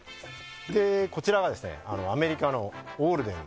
こちらがアメリカのオールデン。